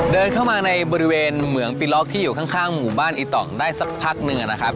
เดินเข้ามาในบริเวณเหมืองปิล็อกที่อยู่ข้างหมู่บ้านอีต่องได้สักพักหนึ่งนะครับ